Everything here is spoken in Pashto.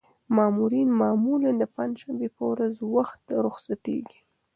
مامورین معمولاً د پنجشنبې په ورځ وخته رخصتېږي.